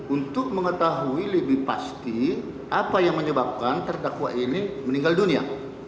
untuk mengetahui lebih pasti apa yang menyebabkan terdakwa ini meninggal dunia